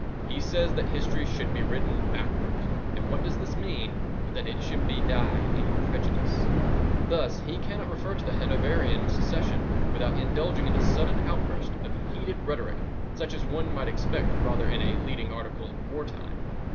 He says that history should be written backwards; and what does this mean but that it should be dyed in prejudice? thus, he cannot refer to the Hanoverian succession without indulging in a sudden outburst of heated rhetoric such as one might expect rather in a leading article in war time.